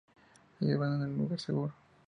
Ellos van a un lugar seguro.